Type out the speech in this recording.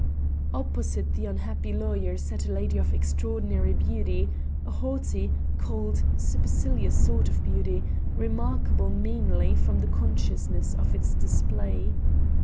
Opposite the unhappy lawyer sat a lady of extraordinary beauty a haughty, cold, supercilious sort of beauty, remarkable mainly from the consciousness of its display.